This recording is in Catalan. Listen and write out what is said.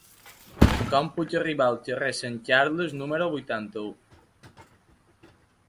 Com puc arribar al carrer de Sant Carles número vuitanta-u?